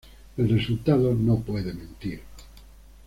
El resultado no puede mentir.